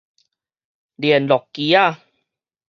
聯絡機仔